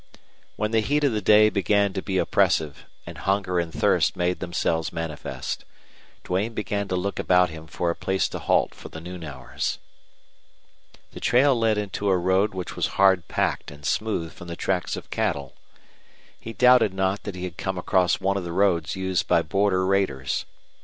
When the heat of the day began to be oppressive, and hunger and thirst made themselves manifest, Duane began to look about him for a place to halt for the noon hours. The trail led into a road which was hard packed and smooth from the tracks of cattle. He doubted not that he had come across one of the roads used by border raiders.